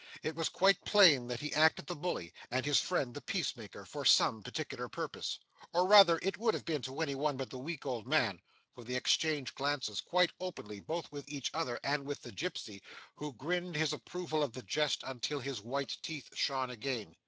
It was quite plain that he acted the bully, and his friend the peacemaker, for some particular purpose; or rather, it would have been to any one but the weak old man; for they exchanged glances quite openly, both with each other and with the gipsy, who grinned his approval of the jest until his white teeth shone again.